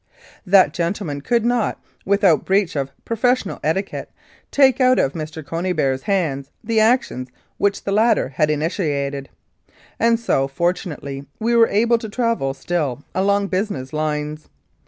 That gentleman could not, without breach of pro fessional etiquette, take out of Mr. Conybeare's hands the action which the latter had initiated, and so, for tunately, we were able to travel still along business lines.